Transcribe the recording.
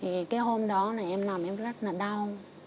thì cái hôm đó em nằm em rất là đau